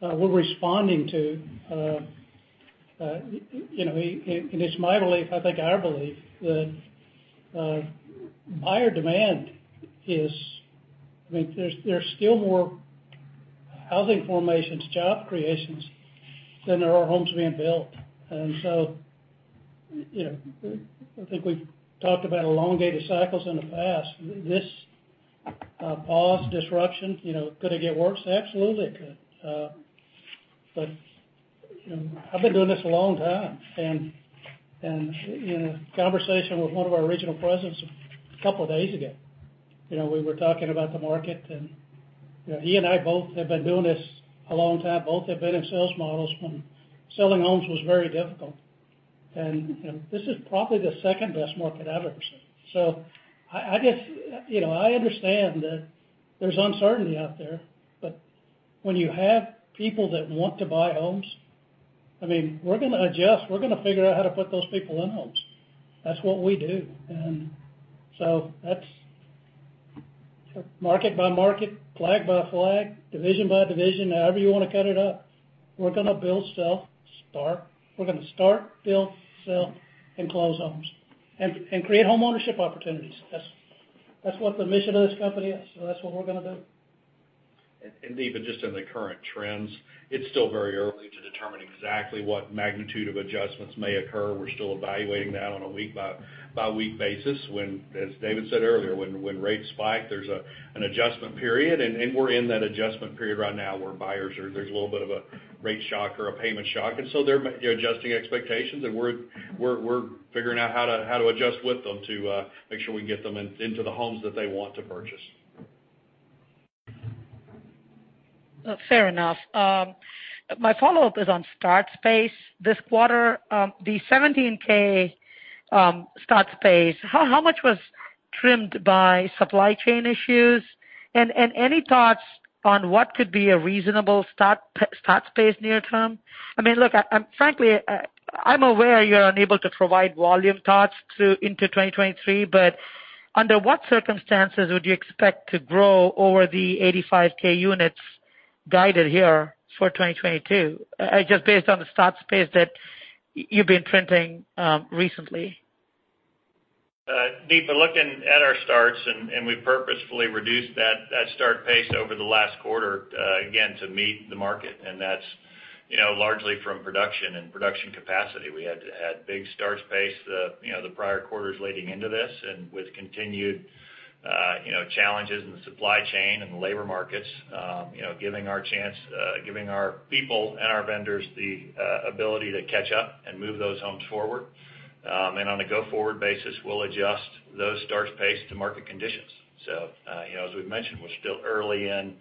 We're responding to you know, it's my belief, I think our belief that buyer demand is, I mean, there's still more housing formations, job creations than there are homes being built. You know, I think we've talked about elongated cycles in the past. This pause, disruption, you know, could it get worse? Absolutely, it could. But you know, I've been doing this a long time, and in a conversation with one of our regional presidents a couple of days ago, you know, we were talking about the market, and you know, he and I both have been doing this a long time, both have been in sales models when selling homes was very difficult. You know, this is probably the second-best market I've ever seen. I guess, you know, I understand that there's uncertainty out there, but when you have people that want to buy homes, I mean, we're gonna adjust. We're gonna figure out how to put those people in homes. That's what we do. That's market-by-market, flag-by-flag, division-by-division, however you wanna cut it up, we're gonna build, sell, start— We're gonna start, build, sell, and close homes, and create homeownership opportunities. That's what the mission of this company is, so that's what we're gonna do. Even just in the current trends, it's still very early to determine exactly what magnitude of adjustments may occur. We're still evaluating that on a week-by-week basis. When, as David said earlier, rates spike, there's an adjustment period, and we're in that adjustment period right now where buyers are, there's a little bit of a rate shock or a payment shock. They're adjusting expectations, and we're figuring out how to adjust with them to make sure we get them into the homes that they want to purchase. Fair enough. My follow-up is on start pace this quarter. The 17K start pace, how much was trimmed by supply chain issues? And any thoughts on what could be a reasonable start pace near term? I mean, look, frankly, I'm aware you're unable to provide volume thoughts through into 2023, but under what circumstances would you expect to grow over the 85K units guided here for 2022, just based on the start pace that you've been printing recently? Deepa, looking at our starts, and we purposefully reduced that start pace over the last quarter, again, to meet the market, and that's, you know, largely from production and production capacity. We had to have big start pace in the prior quarters leading into this. With continued, you know, challenges in the supply chain and the labor markets, you know, giving our people and our vendors the ability to catch up and move those homes forward. On a go-forward basis, we'll adjust those start pace to market conditions. You know, as we've mentioned, we're still early in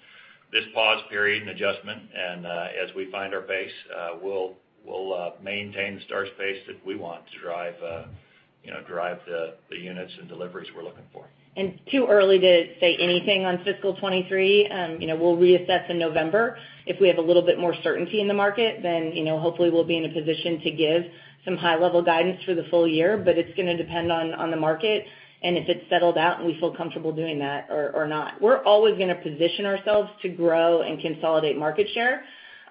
this pause period and adjustment, and as we find our pace, we'll maintain the starts pace that we want to drive, you know, drive the units and deliveries we're looking for. Too early to say anything on fiscal 2023. You know, we'll reassess in November. If we have a little bit more certainty in the market, then, you know, hopefully we'll be in a position to give some high-level guidance for the full year, but it's gonna depend on the market. If it's settled out and we feel comfortable doing that or not. We're always gonna position ourselves to grow and consolidate market share,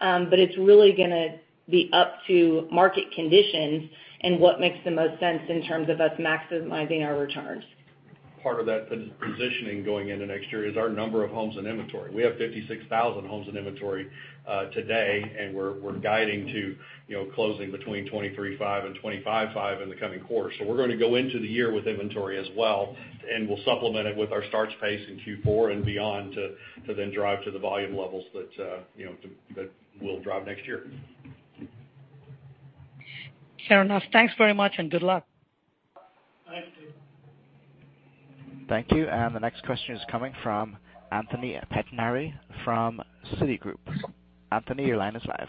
but it's really gonna be up to market conditions and what makes the most sense in terms of us maximizing our returns. Part of that positioning going into next year is our number of homes in inventory. We have 56,000 homes in inventory today, and we're guiding to, you know, closing between 23,500 and 25,500 in the coming quarter. We're gonna go into the year with inventory as well, and we'll supplement it with our starts pace in Q4 and beyond to then drive to the volume levels that we'll drive next year. Fair enough. Thanks very much, and good luck. Thank you. The next question is coming from Anthony Pettinari from Citigroup. Anthony, your line is live.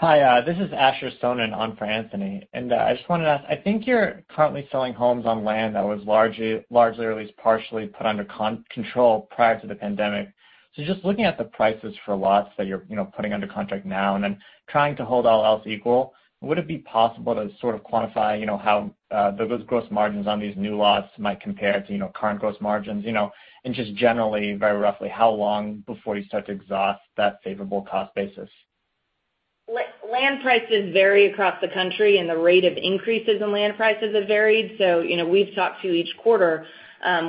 Hi, this is Asher Sohnen on for Anthony. I just wanted to ask, I think you're currently selling homes on land that was largely or at least partially put under control prior to the pandemic. Just looking at the prices for lots that you're, you know, putting under contract now and then trying to hold all else equal, would it be possible to sort of quantify, you know, how those gross margins on these new lots might compare to, you know, current gross margins? You know, and just generally, very roughly, how long before you start to exhaust that favorable cost basis? Land prices vary across the country, and the rate of increases in land prices have varied. You know, we've talked about each quarter,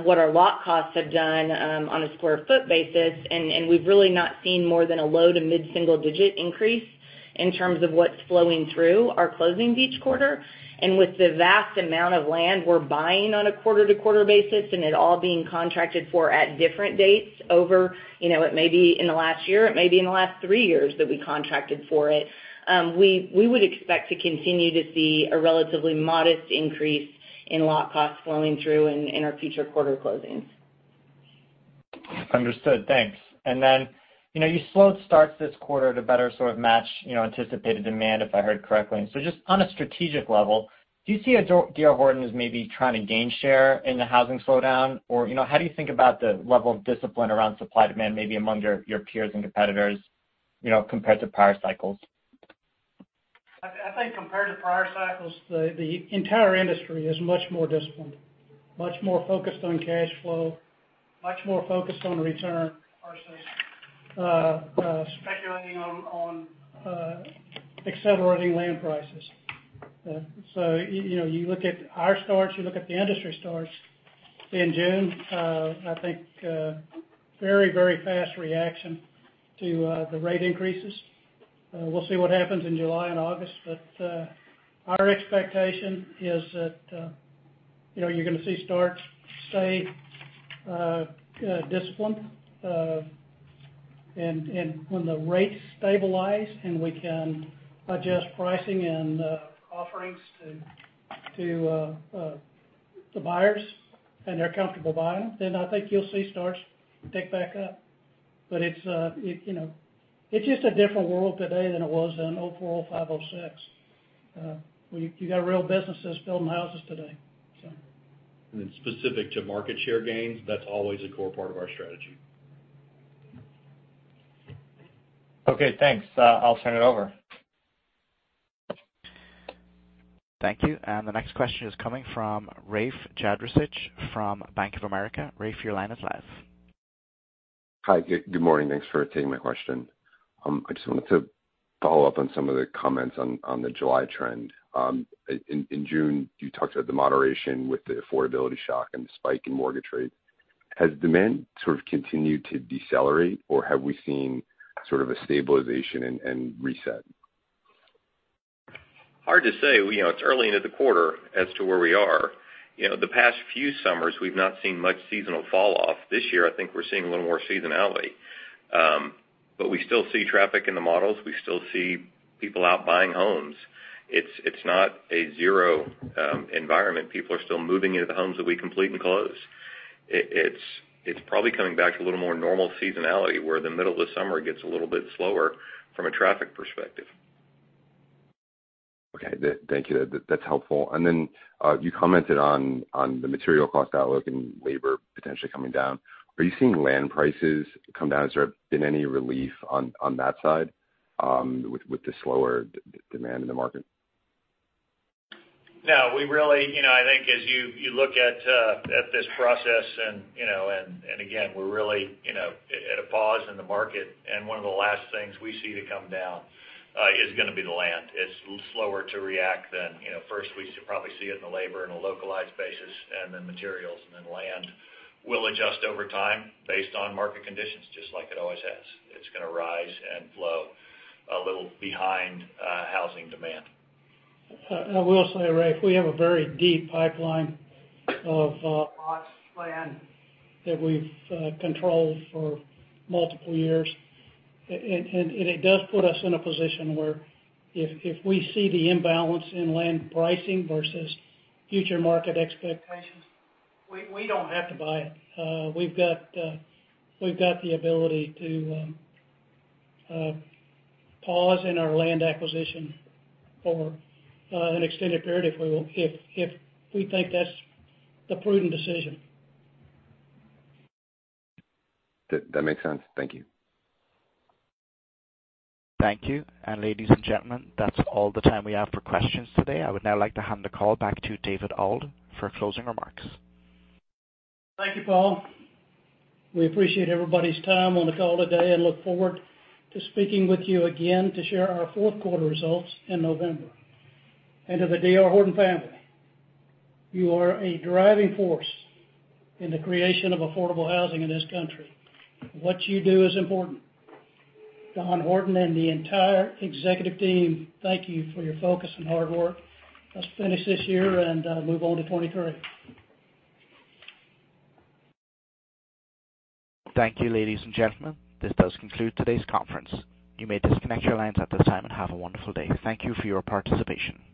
what our lot costs have done, on a square foot basis, and we've really not seen more than a low- to mid-single-digit increase in terms of what's flowing through our closings each quarter. With the vast amount of land we're buying on a quarter-to-quarter basis and it all being contracted for at different dates over, you know, it may be in the last year, it may be in the last three years that we contracted for it, we would expect to continue to see a relatively modest increase in lot costs flowing through in our future quarter closings. Understood. Thanks. Then, you know, you slowed starts this quarter to better sort of match, you know, anticipated demand, if I heard correctly. Just on a strategic level, do you see D.R. Horton as maybe trying to gain share in the housing slowdown? You know, how do you think about the level of discipline around supply-demand maybe among your peers and competitors, you know, compared to prior cycles? I think compared to prior cycles, the entire industry is much more disciplined, much more focused on cash flow, much more focused on return versus speculating on accelerating land prices. You know, you look at our starts, you look at the industry starts in June. I think very, very fast reaction to the rate increases. We'll see what happens in July and August, but our expectation is that you know, you're gonna see starts stay disciplined. When the rates stabilize and we can adjust pricing and offerings to the buyers and they're comfortable buying, then I think you'll see starts pick back up. It's just a different world today than it was in 2004, 2005, 2006. You got real businesses building houses today. Specific to market share gains, that's always a core part of our strategy. Okay, thanks. I'll turn it over. Thank you. The next question is coming from Rafe Jadrosich from Bank of America. Rafe, your line is live. Hi, good morning. Thanks for taking my question. I just wanted to follow up on some of the comments on the July trend. In June, you talked about the moderation with the affordability shock and the spike in mortgage rates. Has demand sort of continued to decelerate, or have we seen sort of a stabilization and reset? Hard to say. You know, it's early into the quarter as to where we are. You know, the past few summers, we've not seen much seasonal fall off. This year, I think we're seeing a little more seasonality. We still see traffic in the models. We still see people out buying homes. It's not a zero environment. People are still moving into the homes that we complete and close. It's probably coming back to a little more normal seasonality, where the middle of the summer gets a little bit slower from a traffic perspective. Okay. Thank you. That's helpful. You commented on the material cost outlook and labor potentially coming down. Are you seeing land prices come down? Has there been any relief on that side, with the slower demand in the market? No, we really, you know, I think as you look at this process and, you know, again, we're really, you know, at a pause in the market. One of the last things we see to come down is gonna be the land. It's slower to react than, you know, first we should probably see it in the labor on a localized basis and then materials and then land. We'll adjust over time based on market conditions, just like it always has. It's gonna rise and flow a little behind housing demand. I will say, Rafe, we have a very deep pipeline of lots and land that we've controlled for multiple years. It does put us in a position where if we see the imbalance in land pricing versus future market expectations, we don't have to buy it. We've got the ability to pause in our land acquisition for an extended period if we want, if we think that's the prudent decision. That makes sense. Thank you. Thank you. Ladies and gentlemen, that's all the time we have for questions today. I would now like to hand the call back to David Auld for closing remarks. Thank you, Paul. We appreciate everybody's time on the call today and look forward to speaking with you again to share our fourth quarter results in November. To the D.R. Horton family, you are a driving force in the creation of affordable housing in this country. What you do is important. Don Horton and the entire executive team thank you for your focus and hard work. Let's finish this year and move on to 2023. Thank you, ladies and gentlemen. This does conclude today's conference. You may disconnect your lines at this time and have a wonderful day. Thank you for your participation.